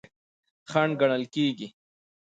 خنډ ګڼل کیږي.